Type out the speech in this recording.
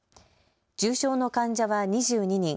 重症の患者は２２人。